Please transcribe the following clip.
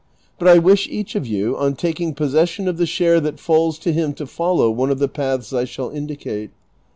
But 1 wish each of you on taking possession of the share that falls to him to follow one of the paths 1 shall indicate.